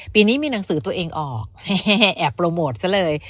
ปีนี้มีหนังสือตัวเองออกแอบโปรโมทซะเลย